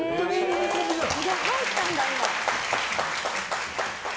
入ったんだ、今。